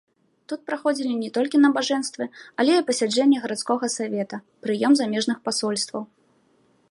Тут праходзілі не толькі набажэнствы, але і пасяджэнні гарадскога савета, прыём замежных пасольстваў.